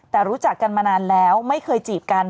แต่รู้จักกันมานานแล้วไม่เคยจีบกัน